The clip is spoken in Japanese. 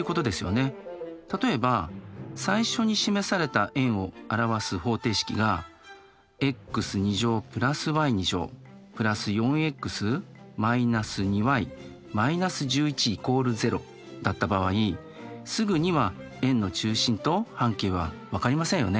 例えば最初に示された円を表す方程式がｘ＋ｙ＋４ｘ−２ｙ−１１＝０だった場合すぐには円の中心と半径は分かりませんよね。